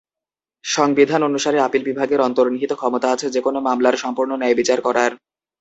সংবিধান অনুসারে আপিল বিভাগের অন্তর্নিহিত ক্ষমতা আছে যেকোনো মামলার সম্পূর্ণ ন্যায়বিচার করার।